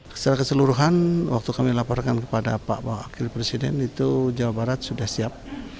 secara keseluruhan waktu kami laporkan kepada pak wakil presiden itu jawa barat sudah siap